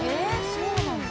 そうなんだ。